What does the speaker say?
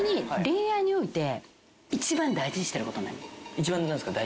一番何すか？